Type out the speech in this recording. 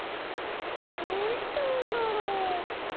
どうしたんだろう？